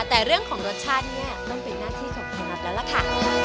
แต่เรื่องของรสชาติเนี่ยต้องเป็นหน้าที่ของคุณนัทแล้วล่ะค่ะ